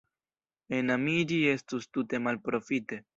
Enamiĝi estus tute malprofite.